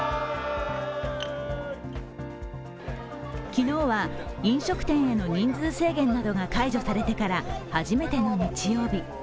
昨日は飲食店への人数制限などが解除されてから初めての日曜日。